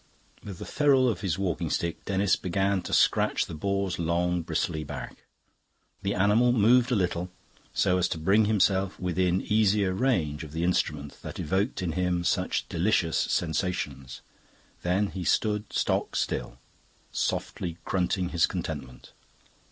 With the ferrule of his walking stick Denis began to scratch the boar's long bristly back. The animal moved a little so as to bring himself within easier range of the instrument that evoked in him such delicious sensations; then he stood stock still, softly grunting his contentment.